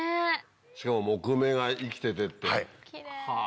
しかも木目が生きててってはぁ。